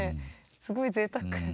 すごいぜいたく。